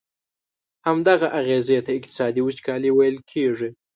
همدغه اغیزي ته اقتصادي وچکالي ویل کیږي.